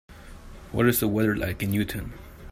What is the weather like in Newton